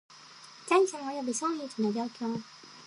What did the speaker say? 財産および損益の状況